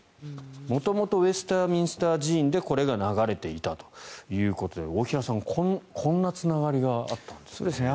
元々、ウェストミンスター寺院でこれが流れていたということで大平さん、こんなつながりがあったんですね。